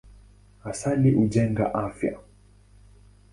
Asali hujenga afya.